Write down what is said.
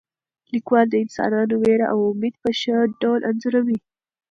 لیکوال د انسانانو ویره او امید په ښه ډول انځوروي.